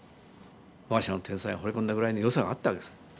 我が社の天才が惚れ込んだぐらいの良さがあったわけです。